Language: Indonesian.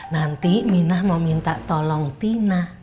nanti minah mau minta tolong tina